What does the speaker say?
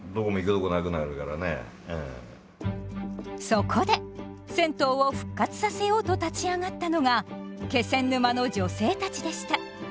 そこで銭湯を復活させようと立ち上がったのが気仙沼の女性たちでした。